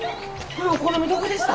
お好みどこでした？